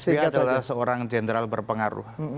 sbi adalah seorang general berpengaruh